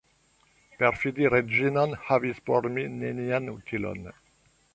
Perfidi Reĝinon havis por mi nenian utilon.